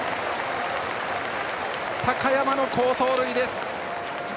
高山の好走塁です。